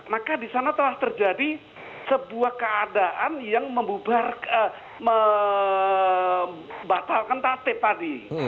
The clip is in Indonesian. maka di sana telah terjadi sebuah keadaan yang membatalkan tatip tadi